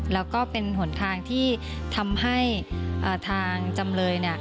แล้วก็เป็นหนทางที่ทำให้ทางจำเลย